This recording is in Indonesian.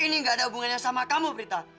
ini gak ada hubungannya sama kamu prita